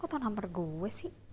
kok tau nomer gue sih